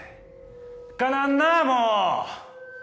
かなわんなもう。